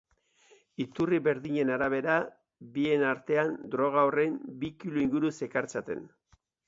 Iturri berdinen arabera, bien artean droga horren bi kilo inguru zekartzaten.